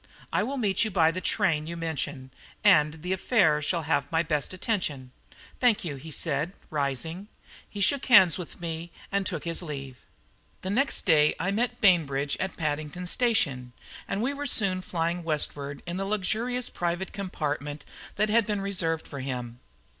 "I will meet you by the train you mention, and the affair shall have my best attention." "Thank you," he said, rising. He shook hands with me and took his leave. The next day I met Bainbridge at Paddington Station, and we were soon flying westward in the luxurious private compartment that had been reserved for him.